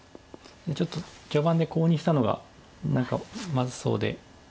ちょっと序盤でコウにしたのが何かまずそうで。